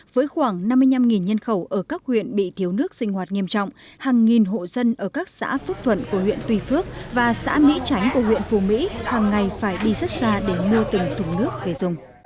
với khoảng năm mươi năm nhân khẩu ở các huyện bị thiếu nước sinh hoạt nghiêm trọng hàng nghìn hộ dân ở các xã phước thuận của huyện tùy phước và xã mỹ tránh của huyện phù mỹ hàng ngày phải đi rất xa để mua từng thùng nước về dùng